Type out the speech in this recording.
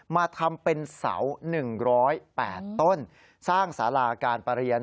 มาทำเป็นเสา๑๐๘ต้นสร้างสาราการประเรียน